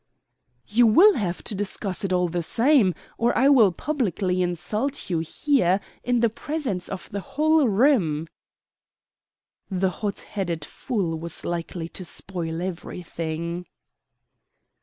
"You will have to discuss it all the same, or I will publicly insult you here, in the presence of the whole room." The hot headed fool was likely to spoil everything.